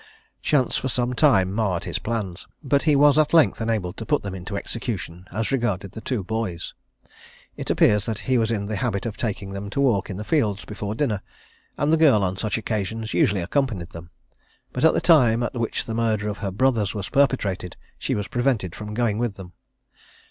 Chance for some time marred his plans, but he was at length enabled to put them into execution as regarded the two boys. It appears that he was in the habit of taking them to walk in the fields before dinner, and the girl on such occasions usually accompanied them, but at the time at which the murder of her brothers was perpetrated she was prevented from going with them.